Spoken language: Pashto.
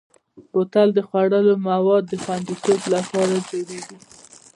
بوتل د خوړلو موادو د خوندیتوب لپاره جوړېږي.